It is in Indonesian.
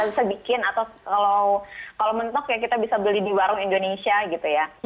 bisa bikin atau kalau mentok ya kita bisa beli di warung indonesia gitu ya